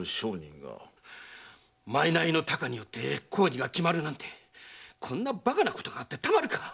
〔賂の多寡によって工事が決まるなんてこんなバカなことがあってたまるか！